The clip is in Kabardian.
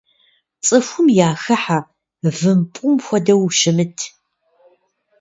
Цӏыхум яхыхьэ, вымпӏум хуэдэу ущымыт.